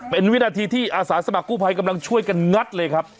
เป็นวินาทีที่อาสาสมัครกู้ภัยกำลังช่วยกันงัดเลยครับ